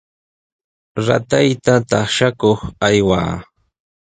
Ratayta taqshakuq aywaa.